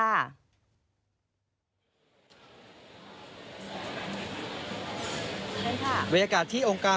สวัสดีค่ะ